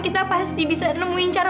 kita pasti bisa nemuin cara